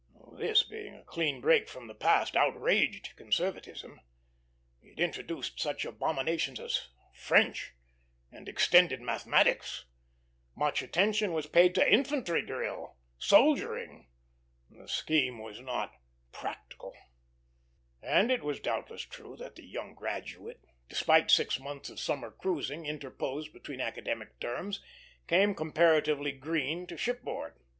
This, being a clean break with the past, outraged conservatism; it introduced such abominations as French and extended mathematics; much attention was paid to infantry drill soldiering; the scheme was not "practical;" and it was doubtless true that the young graduate, despite six months of summer cruising interposed between academic terms, came comparatively green to shipboard.